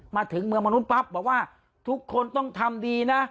มาถึงเมืองมนุษย์ปั๊บบอกว่าทุกคนต้องทำดีนะ